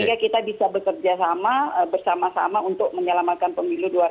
sehingga kita bisa bekerja sama bersama sama untuk menyelamatkan pemilu dua ribu dua puluh